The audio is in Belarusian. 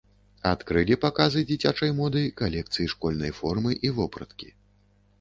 Адкрылі паказы дзіцячай моды калекцыі школьнай формы і вопраткі.